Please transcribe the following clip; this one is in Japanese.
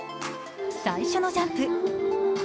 最初のジャンプ。